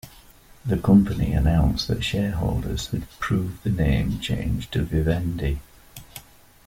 The company announced that shareholders had approved the name change to "Vivendi".